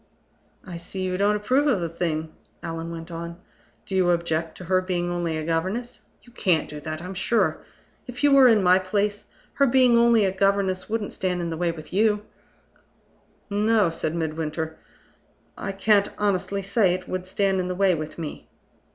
"I see you don't approve of the thing," Allan went on. "Do you object to her being only a governess? You can't do that, I'm sure. If you were in my place, her being only a governess wouldn't stand in the way with you?" "No," said Midwinter; "I can't honestly say it would stand in the way with me."